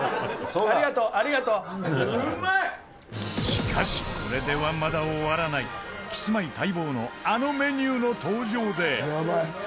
しかしこれでは、まだ終わらないキスマイ待望のあのメニューの登場で富澤：